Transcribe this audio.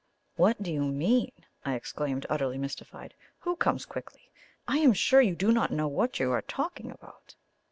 "What do you mean?" I exclaimed, utterly mystified. "Who comes quickly? I am sure you do not know what you are talking about."